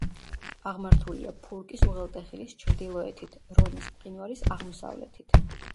აღმართულია ფურკის უღელტეხილის ჩრდილოეთით, რონის მყინვარის აღმოსავლეთით.